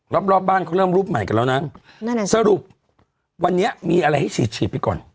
รอบรอบบ้านเขาเริ่มรูปใหม่กันแล้วนะสรุปวันนี้มีอะไรให้ฉีดฉีดไปก่อน